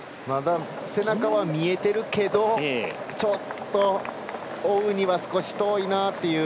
背中は見えているけどちょっと追うには少し遠いなという。